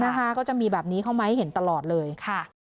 นะคะก็จะมีแบบนี้เข้ามาให้เห็นตลอดเลยค่ะ